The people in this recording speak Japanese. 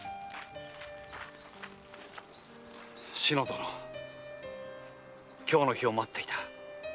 志乃殿今日の日を待っていた。